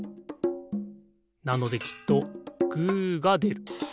なのできっとグーがでる。